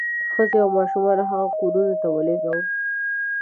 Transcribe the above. ښځې او ماشومان هغو کورونو ته ولېږو.